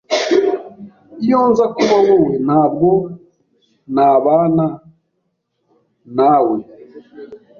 Iyo nza kuba wowe, ntabwo nabana na we.